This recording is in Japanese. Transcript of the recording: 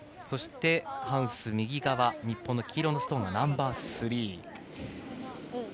そして、ハウス右側日本の黄色のストーンがナンバースリー。